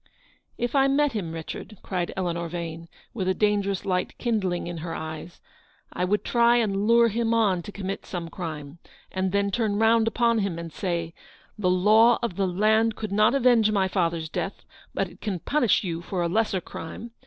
" If I met him, Richard," cried Eleanor Vane, with a dangerous light kindling in her eyes, " I would try and lure him on to commit some crime, and then turn round upon him and say, ' The law of the land could not avenge my father's death, but it can punish you for a lesser crime.